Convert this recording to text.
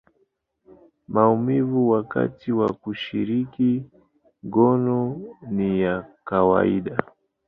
maumivu wakati wa kushiriki ngono ni ya kawaida.